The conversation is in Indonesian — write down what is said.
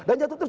dan jatuh terus